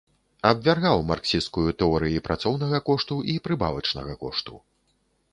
Абвяргаў марксісцкую тэорыі працоўнага кошту і прыбавачнага кошту.